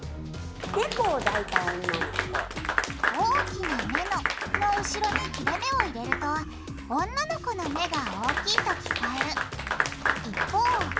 「大きな目の」の後ろに切れめを入れると女の子の目が大きいと聞こえる。